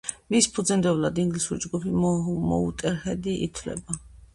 მის ფუძემდებლად ინგლისური ჯგუფი მოუტერჰედი ითვლება.